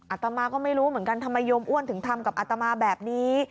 อาตมาก็ไม่รู้เหมือนกันทำไมโยมอ้วนถึงทำกับอัตมาแบบนี้